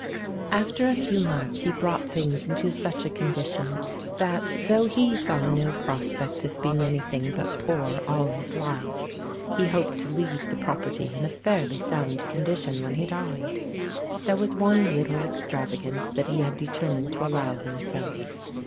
After a few months he brought things into such a condition that, though he saw no prospect of being anything but poor all his life, he hoped to leave the property in a fairly sound condition when he died. There was one little extravagance that he had determined to allow himself.